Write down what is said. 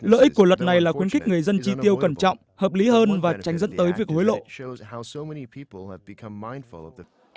lợi ích của luật này là khuyến khích người dân chi tiêu cẩn trọng hợp lý hơn và tránh dẫn tới việc hối lộ